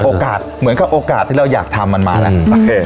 โอกาสเหมือนกับโอกาสที่เราอยากทำมันมาแล้ว